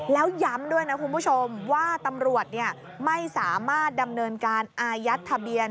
แล้วย้ำด้วยนะคุณผู้ชมว่าตำรวจไม่สามารถดำเนินการอายัดทะเบียน